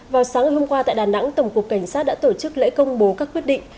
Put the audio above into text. vào sáng hôm qua tại đà nẵng tổng cục cảnh sát đã tổ chức lễ công bố các quyết định